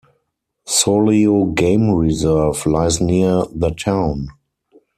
Solio Game Reserve lies near the town.